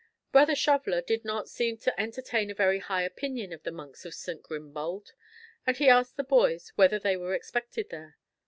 Brother Shoveller did not seem to entertain a very high opinion of the monks of St. Grimbald, and he asked the boys whether they were expected there.